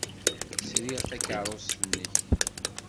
Sriɣ takeṛṛust-nnek.